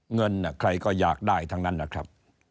เงินใครก็อยากได้ทั้งนั้นนะครับ